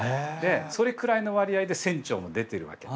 それくらいの割合で船長も出てるわけ結局。